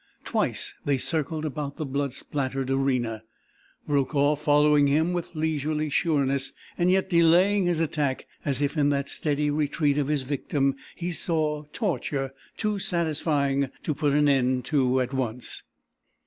Twice they circled about the blood spattered arena, Brokaw following him with leisurely sureness, and yet delaying his attack as if in that steady retreat of his victim he saw torture too satisfying to put an end to at once.